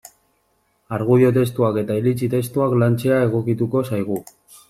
Argudio testuak eta iritzi testuak lantzea egokituko zaigu.